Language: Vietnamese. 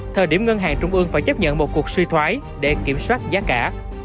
thời điểm ngân hàng trung ương phải chấp nhận một cuộc suy thoái để kiểm soát giá cả